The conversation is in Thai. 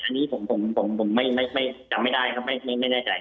อันนี้ผมไม่จำไม่ได้ครับไม่แน่ใจ